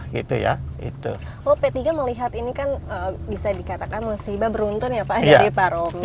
oh p tiga melihat ini kan bisa dikatakan musibah beruntun ya pak dari pak romi